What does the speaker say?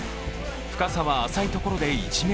深さは浅いところで１ｍ。